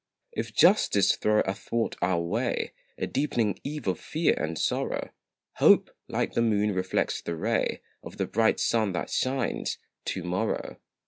If justice throw athwart our way, A deepening eve of fear and sorrow, Hope, like the moon, reflects the ray Of the bright sun that shines to morrow.